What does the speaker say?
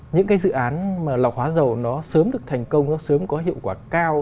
những cái dự án mà lọc hóa dầu nó sớm được thành công nó sớm có hiệu quả cao